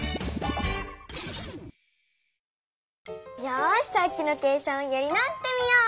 よしさっきの計算をやり直してみよう！